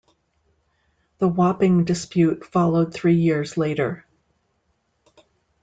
The Wapping dispute followed three years later.